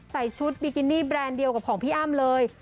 ใส่ชุดบิกินี่แบรนด์เดียวกับของพี่อ้ำเลย